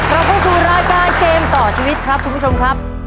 เราเข้าสู่รายการเกมต่อชีวิตครับคุณผู้ชมครับ